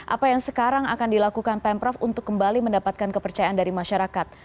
apa yang sekarang akan dilakukan pemprov untuk kembali mendapatkan kepercayaan dari masyarakat